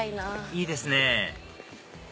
いいですね